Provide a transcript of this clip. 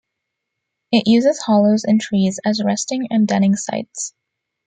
It uses hollows in trees as resting and denning sites.